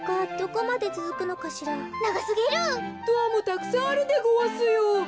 ドアもたくさんあるでごわすよ。